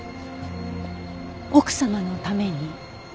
奥様のために？